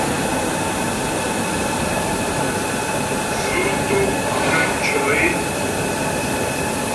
Dzʉ́ tó’ nə́ tʉɔ é.